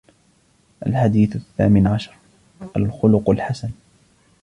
الحديث الثامن عشر: الخلق الحسن